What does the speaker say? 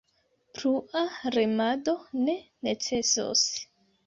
Plua remado ne necesos.